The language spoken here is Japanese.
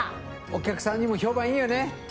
お客さんにも評判いいよね！